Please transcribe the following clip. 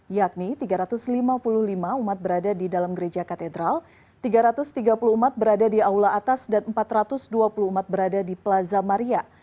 yakni tiga ratus lima puluh lima umat berada di dalam gereja katedral tiga ratus tiga puluh umat berada di aula atas dan empat ratus dua puluh umat berada di plaza maria